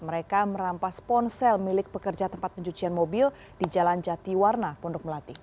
mereka merampas ponsel milik pekerja tempat pencucian mobil di jalan jati warna pondok melati